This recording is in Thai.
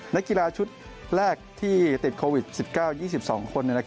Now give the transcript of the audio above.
นักกีฬาชุดแรกที่ติดโควิด๑๙๒๒คน